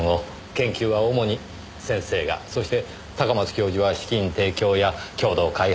研究は主に先生がそして高松教授は資金提供や共同開発の窓口。